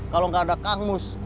kalau gak ada kangmus